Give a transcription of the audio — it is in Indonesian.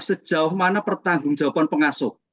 sejauh mana pertanggungjawaban pengasuh